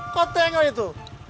kok tengok itu